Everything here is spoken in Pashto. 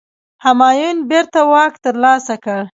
همایون بیرته واک ترلاسه کړ.